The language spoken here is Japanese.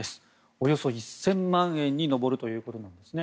およそ１０００万円に上るということなんですね。